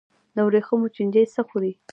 د ورېښمو چینجی څه خوري؟